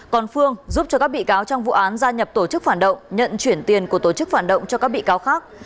còn phương giúp cho các bị cáo trong vụ án gia nhập tổ chức phản động nhận chuyển tiền của tổ chức phản động cho các bị cáo khác